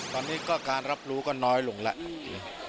ตอนนี้ก็การรับรู้ก็น้อยลงแล้ว